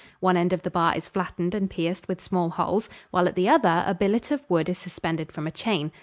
One end of the bar is flattened and pierced with small holes, while at the other a billet of wood is suspended from a chain.